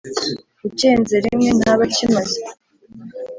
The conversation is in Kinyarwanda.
ucyenze rimwe ntaba akimaze.